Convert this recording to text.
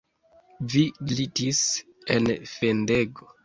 Vi glitis en fendego.